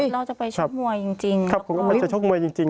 เราจะไปชกมวยจริง